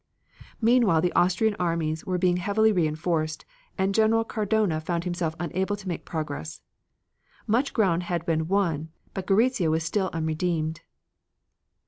Meanwhile the Austrian armies were being heavily reinforced, and General Cadorna found himself unable to make progress. Much ground had been won but Gorizia was still unredeemed.